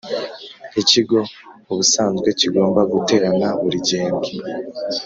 ikigo ubusanzwe kigomba guterana buri gihembwe